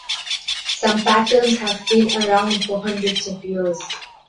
Some patterns have been around for hundreds of years.